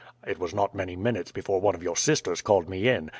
It was not many minutes before one of your sisters called me in.